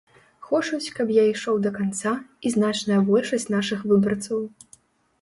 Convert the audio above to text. Хочуць, каб я ішоў да канца, і значная большасць нашых выбарцаў.